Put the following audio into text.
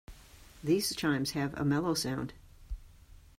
These chimes have a mellow sound.